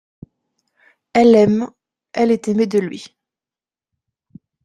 Elle l'aime, elle est aimée de lui.